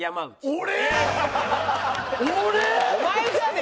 俺！？